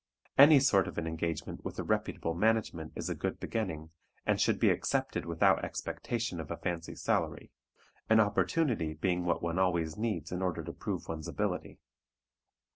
Any sort of an engagement with a reputable management is a good beginning and should be accepted without expectation of a fancy salary, an opportunity being what one always needs in order to prove one's ability.